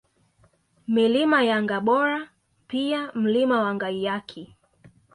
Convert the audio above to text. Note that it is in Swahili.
Milima ya Ngabora pia Mlima wa Ngaiyaki